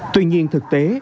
tuy nhiên thực tế